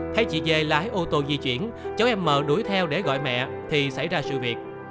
thấy chị dơi lái ô tô di chuyển cháu em m đuổi theo để gọi mẹ thì xảy ra sự việc